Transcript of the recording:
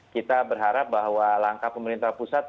kita berharap bahwa langkah pemerintah pusat